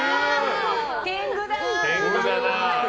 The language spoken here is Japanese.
天狗だな。